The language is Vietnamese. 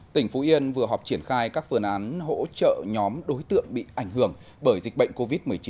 tỉnh phú yên vừa họp triển khai các phương án hỗ trợ nhóm đối tượng bị ảnh hưởng bởi dịch bệnh covid một mươi chín